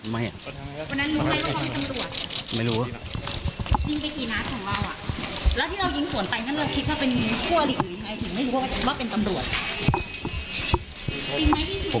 วันนั้นตั้งใจยิงตำรวจไหมคะสุดนี้ไม่อ่ะวันนั้นรู้ไหมว่าเขาเป็นตำรวจ